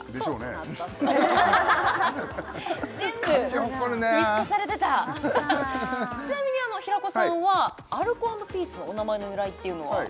勝ち誇るね全部見透かされてたちなみに平子さんはアルコ＆ピースのお名前の由来っていうのは？